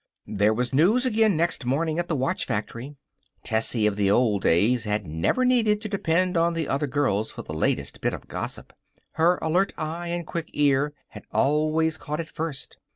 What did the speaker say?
There was news again next morning at the watch factory. Tessie of the old days had never needed to depend on the other girls for the latest bit of gossip. Her alert eye and quick ear had always caught it first.